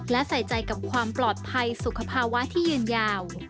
และใส่ใจกับความปลอดภัยสุขภาวะที่ยืนยาว